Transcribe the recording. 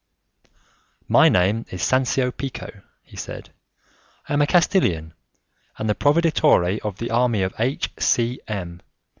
"My name is Sancio Pico," he said; "I am a Castilian, and the 'proveditore' of the army of H. C. M.